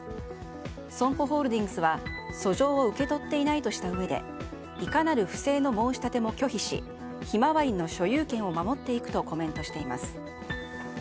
ＳＯＭＰＯホールディングスは訴状を受け取っていないとしたうえでいかなる不正の申し立ても拒否し「ひまわり」の所有権を守っていくとコメントしています。